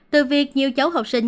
từ việc nhiều cháu học sinh